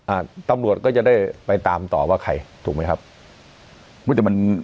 อ่าตำรวจก็จะได้ไปตามต่อว่าใครถูกไหมครับ